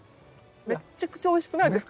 めっちゃくちゃおいしくないですか？